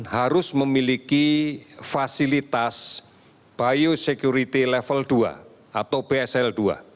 harus memiliki fasilitas biosecurity level dua atau bsl dua